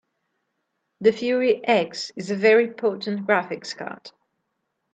The Fury X is a very potent graphics card.